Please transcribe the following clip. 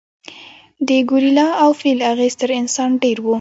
د ګورېلا او فیل اغېز تر انسان ډېر و.